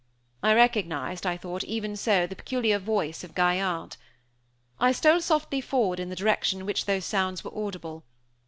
I recognized, I thought, even so, the peculiar voice of Gaillarde. I stole softly forward in the direction in which those sounds were audible.